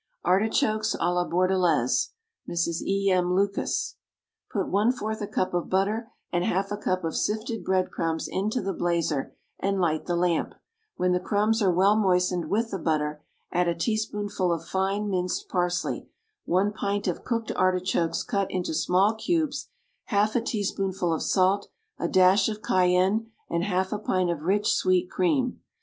=Artichokes à la Bordelaise.= (MRS. E. M. LUCAS.) Put one fourth a cup of butter and half a cup of sifted bread crumbs into the blazer and light the lamp; when the crumbs are well moistened with the butter, add a teaspoonful of fine minced parsley, one pint of cooked artichokes cut into small cubes, half a teaspoonful of salt, a dash of cayenne and half a pint of rich, sweet cream.